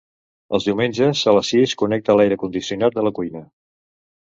Els diumenges a les sis connecta l'aire condicionat de la cuina.